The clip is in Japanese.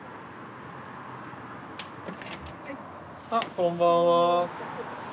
あこんばんは。